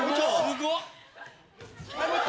・・すごっ！